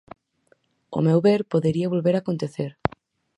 Ao meu ver, podería volver a acontecer.